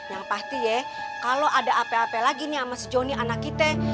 yang pasti ya kalau ada apa apa lagi nih sama si jonny anak kita